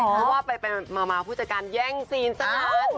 เพราะว่าไปมาผู้จัดการแย่งซีนสั้น